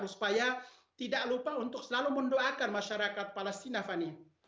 supaya tidak lupa untuk selalu mendoakan masyarakat palestina fani